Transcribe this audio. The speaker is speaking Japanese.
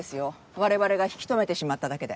我々が引き止めてしまっただけで。